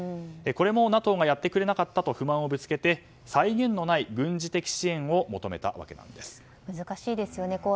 これもＮＡＴＯがやってくれなかったと不満をぶつけて際限のない軍事的支援を難しいですよね。